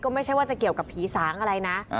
ไม่ใช่ว่าจะเกี่ยวกับผีสางอะไรนะ